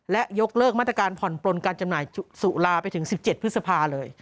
และยกเลิกมาตรการผ่อนปลนการจำหน่ายสุราไปถึง๑๗พฤษภาเลย